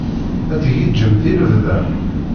Ad tgiǧǧemt i lebda?